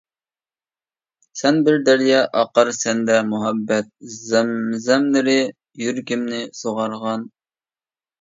سەن بىر دەريا ئاقار سەندە مۇھەببەت، زەمزەملىرى يۈرىكىمنى سۇغارغان.